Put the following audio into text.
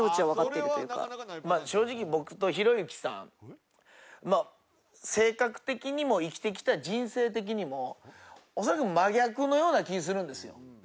まあ正直僕とひろゆきさん性格的にも生きてきた人生的にも恐らく真逆のような気するんですよ。